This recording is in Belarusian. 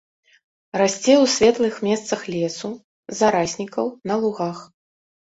Расце ў светлых месцах лесу, зараснікаў, на лугах.